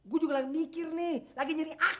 gue juga lagi mikir nih lagi nyuri akal